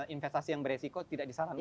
investasi yang beresiko tidak disarankan